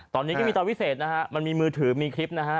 ตอนนี้ก็มีตอนวิเศษนะฮะมันมีมือถือมีคลิปนะฮะ